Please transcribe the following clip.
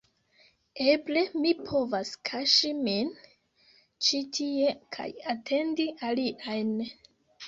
Eble, mi povas kaŝi min ĉi tie kaj atendi aliajn